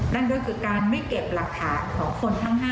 นั่นก็คือการไม่เก็บหลักฐานของคนทั้ง๕